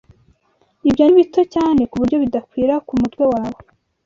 Ibyo ni bito cyane kuburyo bidakwira ku mutwe wawe.